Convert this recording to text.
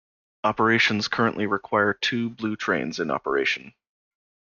Operations currently require two Blue Trains in operation.